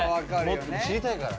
もっと知りたいから。